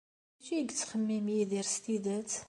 D acu ay yettxemmim Yidir s tidet?